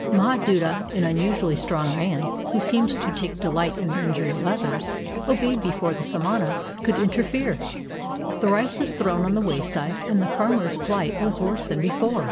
Mahaduta, an unusually strong man, who seemed to take delight in the injury of others, obeyed before the samana could inter fere. The rice was thrown on the wayside, and the farm er's plight was worse than before.